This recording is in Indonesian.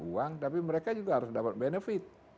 uang tapi mereka juga harus dapat benefit